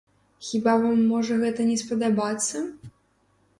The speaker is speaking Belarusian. Хіба вам можа гэта не спадабацца?